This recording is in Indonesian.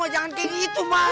jangan kayak gitu emak